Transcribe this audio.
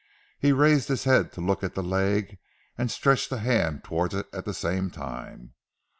He raised his head to look at the leg and stretched a hand towards it at the same time.